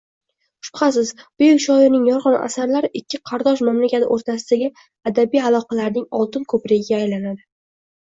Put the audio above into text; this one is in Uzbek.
Shubhasiz, buyuk shoirning yorqin asarlari ikki qardosh mamlakat oʻrtasidagi adabiy aloqalarning oltin koʻprigiga aylanadi.